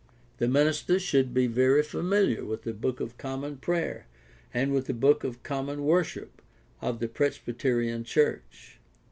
The minister should be very familiar with the Book of Common Prayer and with the Book of Common Worship of the Presbyterian church.